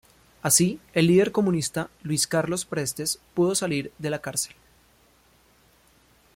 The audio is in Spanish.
Así, el líder comunista Luis Carlos Prestes pudo salir de la cárcel.